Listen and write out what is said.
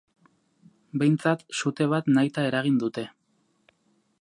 Behintzat sute bat nahita eragin dute.